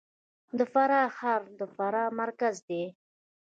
د فراه ښار د فراه مرکز دی